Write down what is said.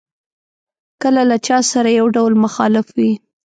کله له چا سره یو ډول مخالف وي.